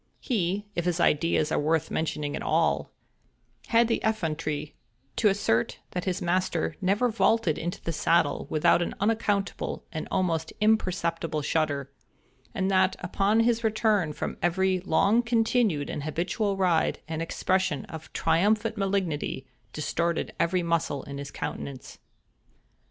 He—if his ideas are worth mentioning at all—had the effrontery to assert that his master never vaulted into the saddle without an unaccountable and almost imperceptible shudder, and that, upon his return from every long continued and habitual ride, an expression of triumphant malignity distorted every muscle in his countenance.